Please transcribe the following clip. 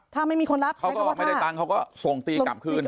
ถ้าไม่มีคนรับใช้คำว่าถ้าเขาก็ไม่ได้ตังค์เขาก็ส่งตีกลับคืน